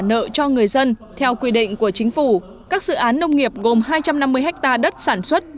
nợ cho người dân theo quy định của chính phủ các dự án nông nghiệp gồm hai trăm năm mươi ha đất sản xuất